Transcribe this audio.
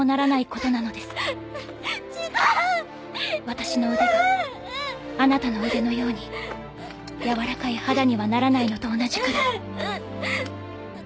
私の腕があなたの腕のようにやわらかい肌にはならないのと同じくらい。